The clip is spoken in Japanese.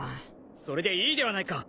それでいいではないか